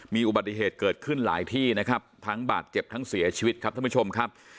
มีอุบัติเหตุเกิดขึ้นหลายที่นะครับทั้งบาดเจ็บทั้งเสียชีวิตครับท่านผู้ชมครับ